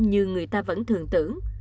như người ta vẫn thường tưởng